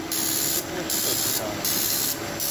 І тут вось што цікава.